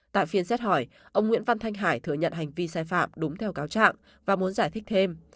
tại phiên xét hỏi ông nguyễn văn thanh hải thừa nhận hành vi sai phạm đúng theo cáo trạng và muốn giải thích thêm